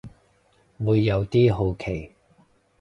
會有啲好奇